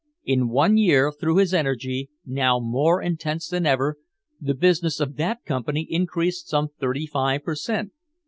In one year, through his energy, now more intense than ever, the business of that company increased some thirty five per cent.